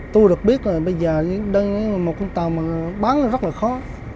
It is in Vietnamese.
tôi được biết là bây giờ một con tàu mà bán rất là khó